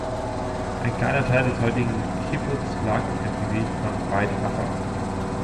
Ein kleiner Teil des heutigen Kibbuz lag auf dem Gebiet von "Beit Afa".